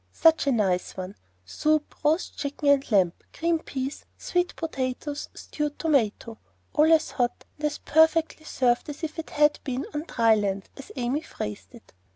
Such a nice one! soup, roast chicken and lamb, green peas, new potatoes, stewed tomato; all as hot and as perfectly served as if they had been "on dry land," as Amy phrased it.